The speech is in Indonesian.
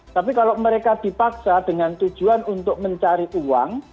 tapi kalau mereka dipaksa dengan tujuan untuk mencari uang